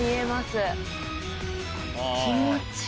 気持ちいい！